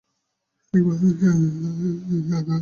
তিনি ভারতের স্বাধীনতা আনন্দোলনে যোগদান করেন।